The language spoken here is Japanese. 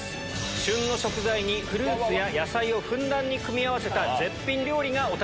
旬の食材にフルーツや野菜をふんだんに組み合わせた。